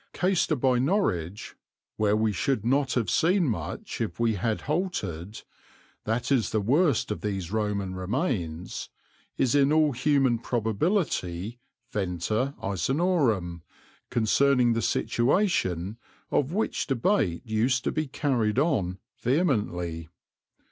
Caistor by Norwich, where we should not have seen much if we had halted that is the worst of these Roman remains is in all human probability Venta Icenorum, concerning the situation of which debate used to be carried on vehemently.